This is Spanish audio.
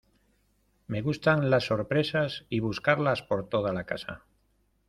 me gustan las sorpresas y buscarlas por toda la casa.